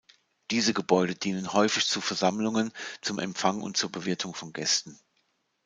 Diese Gebäude dienen häufig zu Versammlungen, zum Empfang und zur Bewirtung von Gästen.